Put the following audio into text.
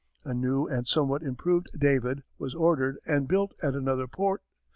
A new and somewhat improved David was ordered and built at another port.